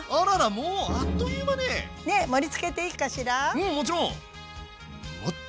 うんもちろん！